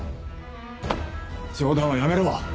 冗談はやめろ！